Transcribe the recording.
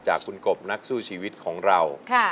จากคุณกบนักสู้ชีวิตของเรา